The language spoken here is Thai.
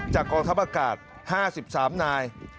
กองทัพอากาศ๕๓นาย